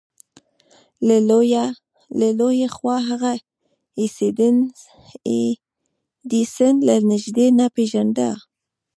له يوې خوا هغه ايډېسن له نږدې نه پېژانده.